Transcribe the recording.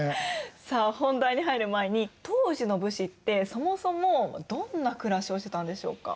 さあ本題に入る前に当時の武士ってそもそもどんな暮らしをしてたんでしょうか？